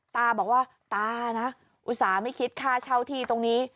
ตาบอกว่าตานะอุตส่าห์ไม่คิดค่าเช่าที่ตรงนี้